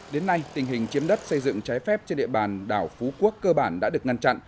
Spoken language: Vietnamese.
đến nay tình hình chiếm đất xây dựng trái phép trên địa bàn đảo phú quốc cơ bản đã được ngăn chặn